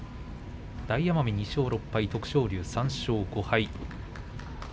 大奄美、２勝６敗徳勝龍、３勝５敗。